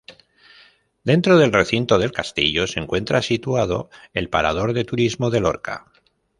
Dentro del recinto del castillo se encuentra situado el Parador de Turismo de Lorca.